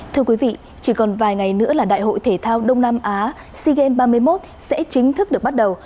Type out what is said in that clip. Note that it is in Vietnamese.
thưa quý vị chỉ còn vài ngày nữa là đại hội thể thao đông nam á sea games ba mươi một sẽ chính thức được bắt đầu